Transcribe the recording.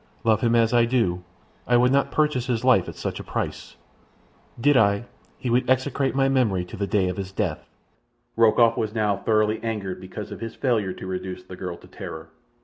Love him as I do, I would not purchase his life at such a price. Did I, he would execrate my memory to the day of his death." Rokoff was now thoroughly angered because of his failure to reduce the girl to terror.